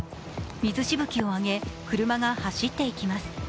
水しぶきを上げ車が走っていきます。